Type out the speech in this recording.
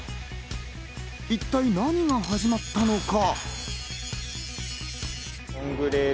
一体、何が始まったのか？